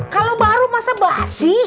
kalau baru masa basi